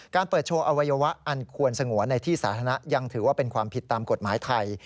เปิดโชว์อวัยวะอันควรสงวนในที่สาธารณะยังถือว่าเป็นความผิดตามกฎหมายไทย